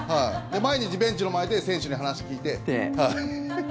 毎日ベンチの前で選手に話、聞いて。